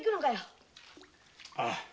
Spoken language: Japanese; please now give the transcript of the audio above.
ああ。